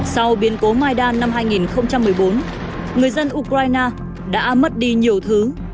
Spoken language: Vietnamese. sau biến cố maidan năm hai nghìn một mươi bốn người dân ukraine đã mất đi nhiều thứ